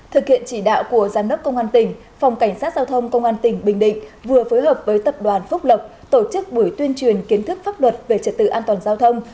thực hiện chỉ đạo của giám đốc công an tỉnh phòng cảnh sát giao thông công an tỉnh bình định vừa phối hợp với tập đoàn phúc lộc tổ chức buổi tuyên truyền kiến thức pháp luật về trật tự an toàn giao thông